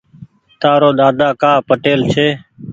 تآرو ۮاۮا ڪآ پٽيل ڇي ۔